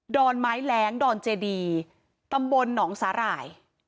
อนไม้แหลงดอนเจดีตำบลหนองสาหร่าย